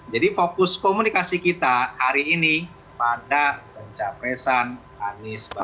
jadi fokus komunikasi kita hari ini pada pencapesan anies baru